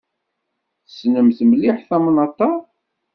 Tessnemt mliḥ tamnaḍt-a?